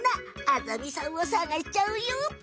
アザミさんをさがしちゃうよ！